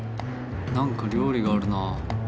なんか料理があるな。